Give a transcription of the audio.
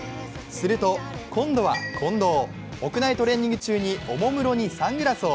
すると、今度は近藤、屋内トレーニング中におもむろにサングラスを。